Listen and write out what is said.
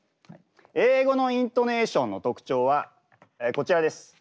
英語のイントネーションの特徴はこちらです。